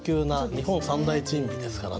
日本三大珍味ですからね。